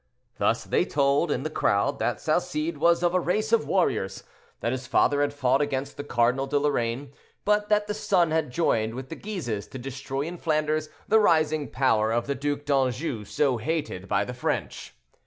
Thus they told, in the crowd, that Salcede was of a race of warriors; that his father had fought against the Cardinal de Lorraine, but that the son had joined with the Guises to destroy in Flanders the rising power of the Duc d'Anjou, so hated by the French.